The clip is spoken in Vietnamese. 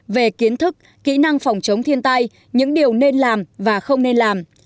về kiến thức kỹ năng phòng chống thiên tai những điều nên làm và không nên làm